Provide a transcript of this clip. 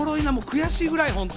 悔しいぐらい。